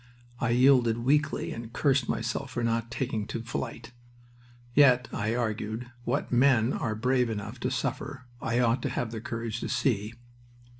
I yielded weakly, and cursed myself for not taking to flight. Yet, I argued, what men are brave enough to suffer I ought to have the courage to see...